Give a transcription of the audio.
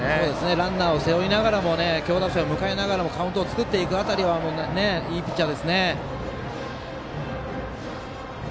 ランナーを背負いながらも強打者を迎えながらもカウントを作っていく辺りはいいピッチャーですね。